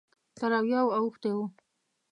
تر اویاوو اوښتی و.